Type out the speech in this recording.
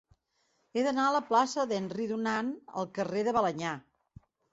He d'anar de la plaça d'Henry Dunant al carrer de Balenyà.